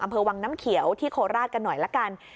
อำเภอวังน้ำเขียวที่โคราชกันหน่อยละกัน